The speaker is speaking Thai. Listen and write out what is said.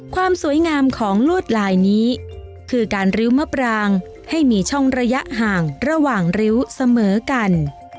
ความสวยงามของลวดลายนี้คือการริ้วมะปรางให้มีช่องระยะห่างระหว่างริ้วเสมอกัน